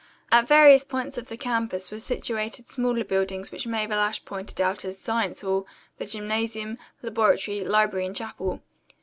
At various points of the campus were situated smaller buildings which Mabel Ashe pointed out as Science Hall, the gymnasium, laboratory, library and chapel.